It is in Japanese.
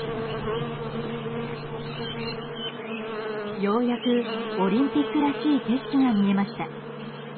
ようやく、オリンピックらしい景色が見えました。